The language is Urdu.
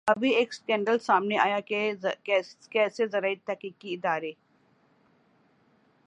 ابھی ایک سکینڈل سامنے آیا کہ کیسے زرعی تحقیقی ادارے